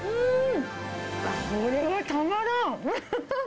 これはたまらん。